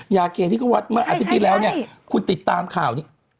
ยาเคที่เขาวัดเมื่ออาทิตย์ที่แล้วเนี่ยคุณติดตามข่าวนี้